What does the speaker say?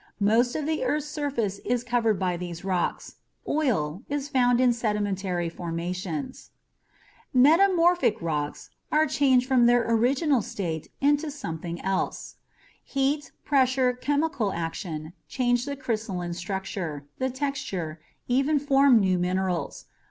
Most of the earth's surface is covered by these rocks. Oil is found in sedimentary formations. Metamorphic rocks have been changed from their original state into something else. Heat, pressure, chemical action change the crystalline structure, the texture, even form new minerals.